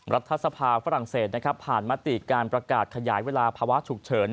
รัฐสภาฝรั่งเศสผ่านมติการประกาศขยายเวลาภาวะฉุกเฉิน